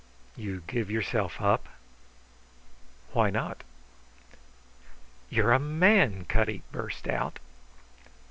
"You give yourself up?" "Why not?" "You're a man!" Cutty burst out.